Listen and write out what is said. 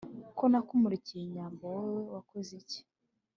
Ko nakumurikiye inyambo, wowe wakoze iki